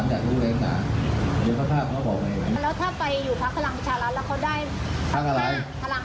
อันนี้เคยเพื่อนนายกออกไปประเมินสถานการณ์